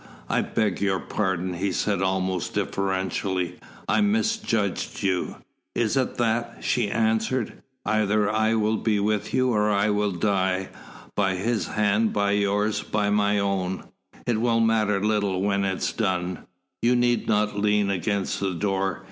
"I beg your pardon," he said almost deferentially. "I misjudged you." "It is that," she answered. "Either I will be with you or I will die, by his hand, by yours, by my own it will matter little when it is done. You need not lean against the door.